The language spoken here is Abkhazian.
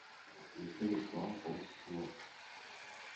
Ишырӡбо ауп аус злоу.